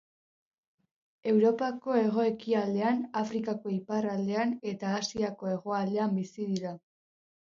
Europako hego-ekialdean, Afrikako iparraldean eta Asiako hegoaldean bizi dira.